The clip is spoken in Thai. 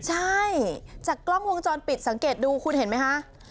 ใช่จากกล้องวงจรปิดสังเกตดูคุณเห็นไหมคะ